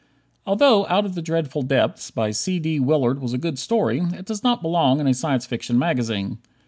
Although "Out of the Dreadful Depths," by C. D. Willard, was a good story, it does not belong in a Science Fiction magazine.